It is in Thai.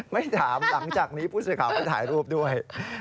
ไม่ถามหลังจากนี้ผู้สื่อข่าวก็ถ่ายรูปด้วย